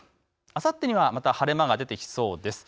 あさってには晴れ間が出てきそうです。